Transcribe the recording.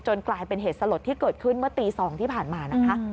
กลายเป็นเหตุสลดที่เกิดขึ้นเมื่อตี๒ที่ผ่านมานะคะ